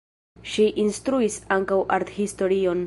Ŝi instruis ankaŭ arthistorion.